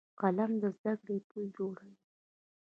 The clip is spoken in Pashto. قلم د زده کړې پل جوړوي